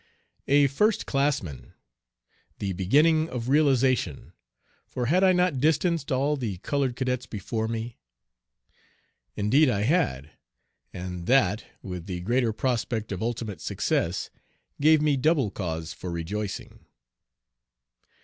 A first classman! The beginning of realization, for had I not distanced all the colored cadets before me? Indeed I had, and that with the greater prospect of ultimate success gave me double cause for rejoicing.